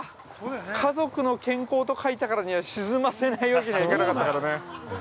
家族の健康と書いたからには沈ませないわけにはいかなかったからね。